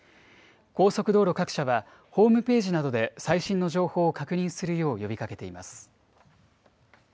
高速道路各社は、ホームページなどで最新の情報を確認するよう呼びかけています。